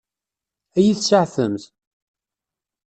Ad iyi-tseɛfemt?